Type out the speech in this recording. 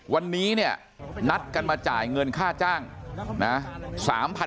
วันนี้เนี่ยนัดกันมาจ่ายเงินค่าจ้างนะ